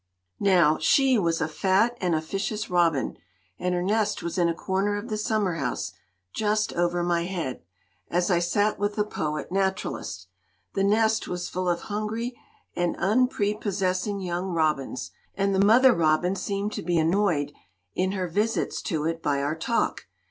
Now, "she" was a fat and officious robin, and her nest was in a corner of the summer house just over my head, as I sat with the poet naturalist. The nest was full of hungry and unprepossessing young robins, and the mother robin seemed to be annoyed in her visits to it by our talk.